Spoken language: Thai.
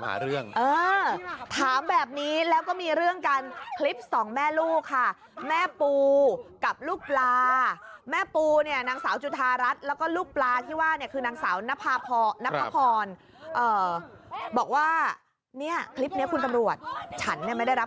ให้รู้จับคลิปลองดูขอบคุณครับ